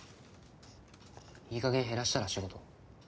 いいかげん減らしたら仕事。